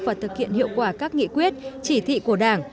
và thực hiện hiệu quả các nghị quyết chỉ thị của đảng